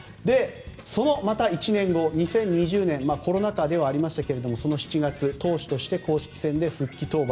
そのまた１年後、２０２０年コロナ禍ではありましたがその７月投手として公式戦で復帰登板。